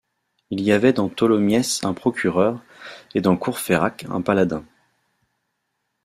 Il y avait dans Tholomyès un procureur et dans Courfeyrac un paladin.